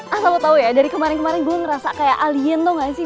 asal lo tau ya dari kemarin kemarin gue ngerasa kayak alien tau gak sih